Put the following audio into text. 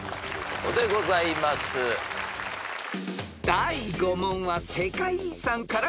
［第５問は世界遺産から出題］